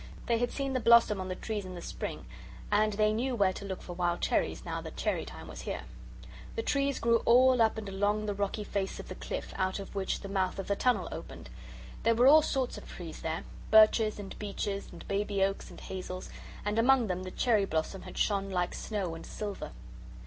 They had seen the blossom on the trees in the spring, and they knew where to look for wild cherries now that cherry time was here. The trees grew all up and along the rocky face of the cliff out of which the mouth of the tunnel opened. There were all sorts of trees there, birches and beeches and baby oaks and hazels, and among them the cherry blossom had shone like snow and silver.